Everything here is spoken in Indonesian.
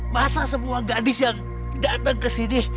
masa semua gadis yang datang kesini